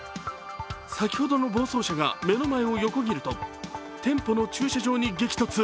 先ほどの暴走車が目の前を横切ると店舗の駐車場に激突。